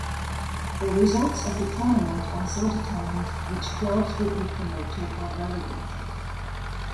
The results of the tournament also determined which clubs would be promoted or relegated.